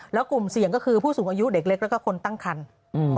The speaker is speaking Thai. แล้วกลุ่มเสี่ยงก็คือผู้สูงอายุเด็กเล็กแล้วก็คนตั้งคันอืม